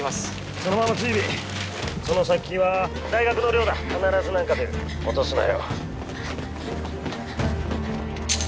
そのまま追尾☎その先は大学の寮だ☎必ず何か出る落とすなよ